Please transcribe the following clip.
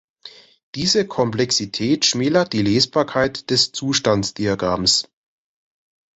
Diese Komplexität schmälert die Lesbarkeit des Zustandsdiagramms.